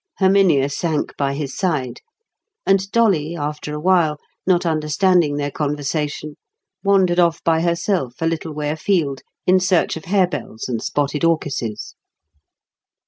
Herminia sank by his side; and Dolly, after a while, not understanding their conversation, wandered off by herself a little way afield in search of harebells and spotted orchises.